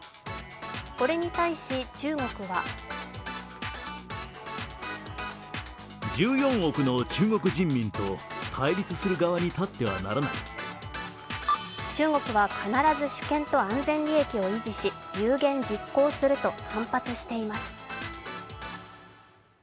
これに対し、中国は中国は必ず主権と安全利益を維持し、有言実行すると反発しています。